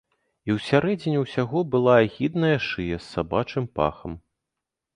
І ў сярэдзіне ўсяго была агідная шыя з сабачым пахам.